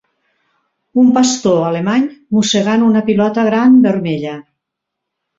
un pastor alemany mossegant una pilota gran vermella.